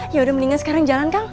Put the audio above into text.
yaudah mendingan sekarang jalan kang